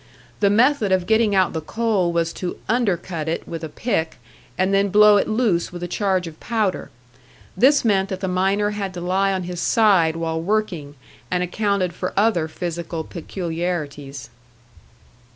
The method of getting out the coal was to "undercut" it with a pick, and then blow it loose with a charge of powder. This meant that the miner had to lie on his side while working, and accounted for other physical peculiarities.